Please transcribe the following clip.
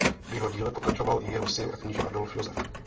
V jeho díle pokračoval i jeho syn a kníže Adolf Josef.